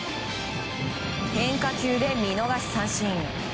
変化球で見逃し三振。